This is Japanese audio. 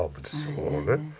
こうね。